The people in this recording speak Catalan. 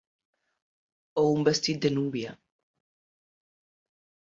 O un vestit de núvia.